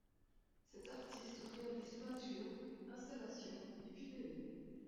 Cette artiste réalise peintures, installations et vidéos.